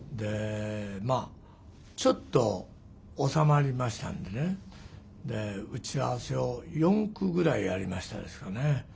まあちょっと収まりましたんでね打ち合わせを４区ぐらいやりましたですかね。